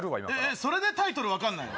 それでタイトル分かんないの？